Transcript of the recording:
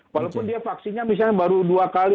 walaupun dia vaksinnya misalnya baru dua kali